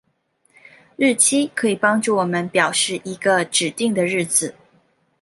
日期可以帮助我们表示一个指定的日子。